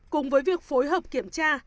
cùng với việc phối hợp kiểm tra